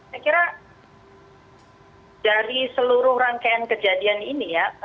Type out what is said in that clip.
saya kira dari seluruh rangkaian kejadian ini ya